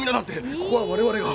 ここは我々が。